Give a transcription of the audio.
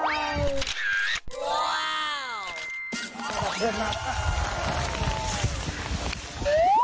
เย็นปังปังไป